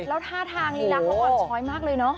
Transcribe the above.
แล้วท่าทางลีลาเขาอ่อนช้อยมากเลยเนอะ